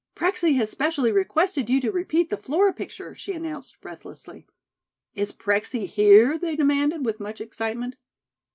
"Prexy has specially requested you to repeat the Flora picture," she announced, breathlessly. "Is Prexy here?" they demanded, with much excitement.